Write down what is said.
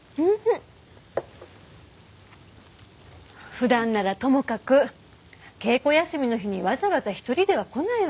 普段ならともかく稽古休みの日にわざわざ１人では来ないわよ。